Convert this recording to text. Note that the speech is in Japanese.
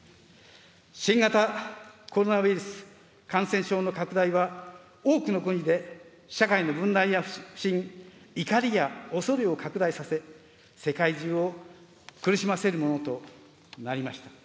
新型コロナウイルス感染症の拡大は、多くの国で、社会の分断や不信、怒りやおそれを拡大させ、世界中を苦しませるものとなりました。